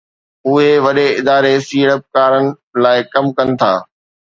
اهي وڏي اداري سيڙپڪارن لاءِ ڪم ڪن ٿا